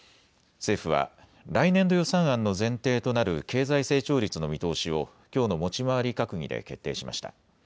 政府は来年度予算案の前提となる経済成長率の見通しをきょうの持ち回り閣議で決定しました。